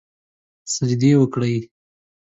سجدې وکړي